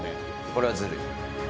これはずるい。